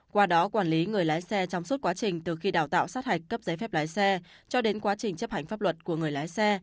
qua đó quản lý người lái xe trong suốt quá trình từ khi đào tạo sát hạch cấp giấy phép lái xe cho đến quá trình chấp hành pháp luật của người lái xe